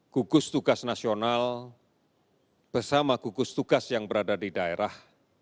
gugus tugas nasional bersama gugus tugas yang berada di daerah